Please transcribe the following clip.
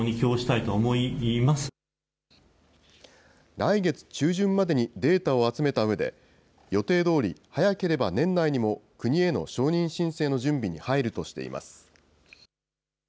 来月中旬までにデータを集めたうえで、予定どおり、早ければ年内にも国への承認申請の準備に入るとしています。